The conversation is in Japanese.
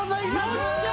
よっしゃ！